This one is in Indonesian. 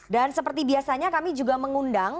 dan seperti biasanya kami juga mengundang